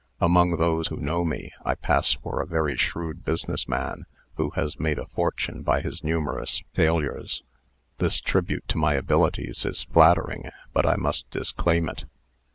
Among those who know me, I pass for a very shrewd business man, who has made a fortune by his numerous failures. This tribute to my abilities is flattering, but I must disclaim it.